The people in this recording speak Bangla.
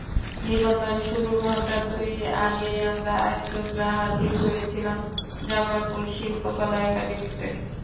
নিবন্ধন শুরুর ঘন্টা দুই আগেই আমরা আয়োজকরা হাজির হয়েছিলাম জামালপুর শিল্পকলা একাডেমীতে।